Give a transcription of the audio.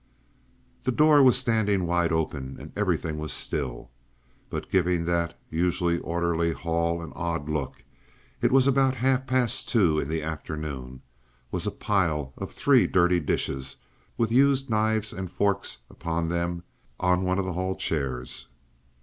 The door was standing wide open, and everything was still. But giving that usually orderly hall an odd look—it was about half past two in the afternoon—was a pile of three dirty plates, with used knives and forks upon them, on one of the hall chairs.